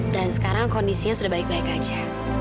dan sekarang kondisinya sudah baik baik aja